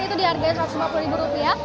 itu di harganya rp satu ratus lima puluh